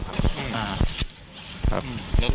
เข้าเวลาได้